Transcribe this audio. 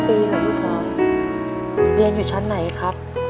๙ปีเหรอลูกพ่อเรียนอยู่ชั้นไหนครับ